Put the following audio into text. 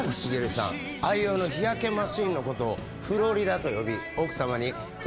愛用の日焼けマシンのことを「フロリダ」と呼び奥様に。